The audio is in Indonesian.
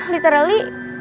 literally itu juga temen lo